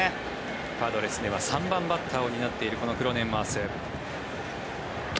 パドレスでは３番バッターを担っているこのクロネンワース。